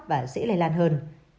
và dễ lây lan hơn